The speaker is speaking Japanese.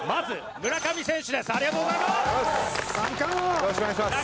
よろしくお願いします。